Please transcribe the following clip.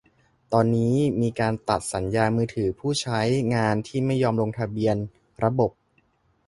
ตอนนี้มีการตัดสัญญาณมือถือผู้ใช้งานที่ไม่ยอมลงทะเบียนระบบ